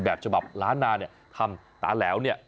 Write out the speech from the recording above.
ฉบับล้านนาเนี่ยทำตาแหลวเนี่ย